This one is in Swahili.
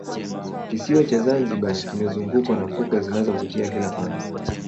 kisiwa cha zanzibar kimezungukwa na fukwe zinazovutia kila pande